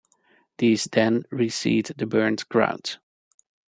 These then reseed the burnt ground.